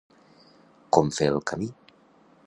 I com fer el camí?